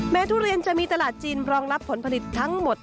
ทุเรียนจะมีตลาดจีนรองรับผลผลิตทั้งหมด